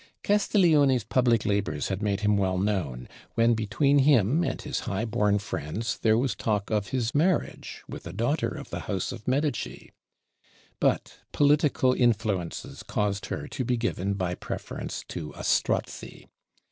Castiglione's public labors had made him well known, when between him and his high born friends there was talk of his marriage with a daughter of the house of Medici; but political influences caused her to be given by preference to a Strozzi.